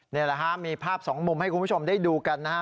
นี่แหละฮะมีภาพสองมุมให้คุณผู้ชมได้ดูกันนะฮะ